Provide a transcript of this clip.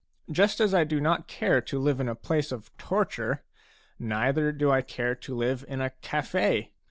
Just as I do not care to live in a place of torture, neither do I care to live in a cafe.